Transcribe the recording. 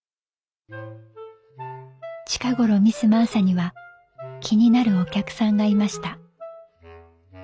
「近頃ミス・マーサには気になるお客さんがいました」。